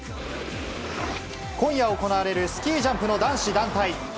今夜行われるスキージャンプの男子団体。